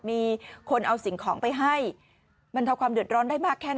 มีคนเอาสิ่งของไปให้บรรเทาความเดือดร้อนได้มากแค่นั้น